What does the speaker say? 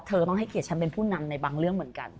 เธอต้องให้เกียรติฉันเป็นผู้นำในบางเรื่องเหมือนกัน